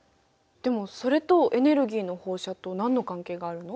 でもそれとエネルギーの放射と何の関係があるの？